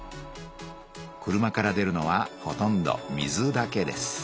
車から出るのはほとんど水だけです。